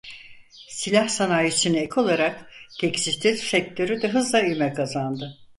Silah sanayisine ek olarak tekstil sektörü de hızla ivme kazandı.